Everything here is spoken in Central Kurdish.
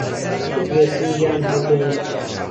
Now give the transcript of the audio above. سووک بێ سینگیان ههڵ دێنم